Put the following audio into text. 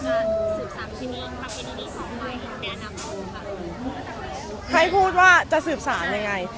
ความเยี่ยมที่นี่นี่ของใครแต่อันนั้นก็ใครพูดว่าจะสืบสามยังไง